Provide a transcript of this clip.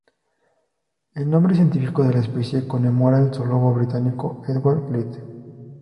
El nombre científico de la especie conmemora al zoólogo británico Edward Blyth.